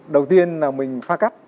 đầu tiên là mình pha cắt